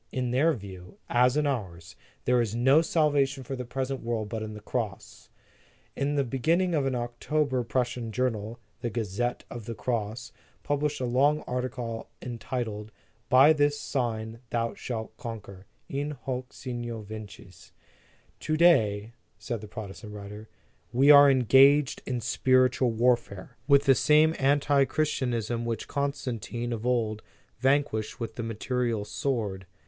In their view, as in ours, there is no salvation for the present world but in the Cross. In the beginning of October a Prussian journal, the Gazette of the Cross, published a long article entitled: By this sign thou shall conquer: In hoc signo vinces. "To day," said the Protestant writer, "we are engaged in spiritual warfare with the same antichristianism which Constantine, of old, vanquished with the material sword.